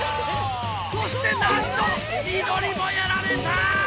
そしてなんと緑もやられた！